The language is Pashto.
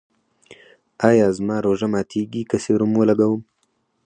ایا زما روژه ماتیږي که سیروم ولګوم؟